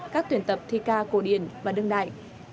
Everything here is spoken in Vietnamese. các tuyển tập thi ca cổ điển và đương đại